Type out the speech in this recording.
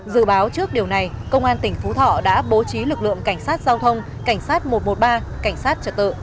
dự báo trước điều này công an tỉnh phú thọ đã bố trí lực lượng cảnh sát giao thông cảnh sát một trăm một mươi ba cảnh sát trật tự